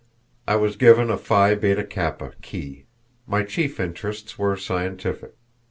I was given a Phi Beta Kappa "key." My chief interests were scientific.